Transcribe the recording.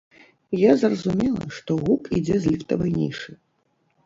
Я зразумела, што гук ідзе з ліфтавай нішы.